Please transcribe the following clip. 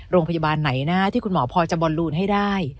โรงพยาบาลไหนนะที่คุณหมอพอจะบอลลูนให้ได้